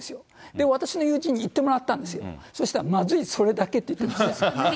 で、私の友人に行ってもらったんですよ、そしたら、まずい、それだけって言ってましたよ。